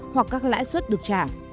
hoặc các lãi suất được trả